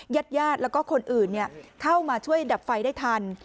ญาติญาติแล้วก็คนอื่นเข้ามาช่วยดับไฟได้ทัน